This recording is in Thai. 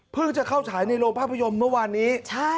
จะเข้าฉายในโรงภาพยนตร์เมื่อวานนี้